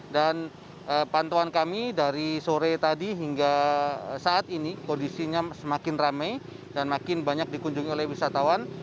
dan pantuan kami dari sore tadi hingga saat ini kondisinya semakin rame dan makin banyak dikunjungi oleh wisatawan